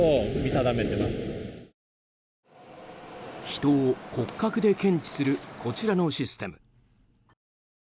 人を骨格で検知するこちらのシステム。